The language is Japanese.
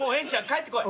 帰ってこい。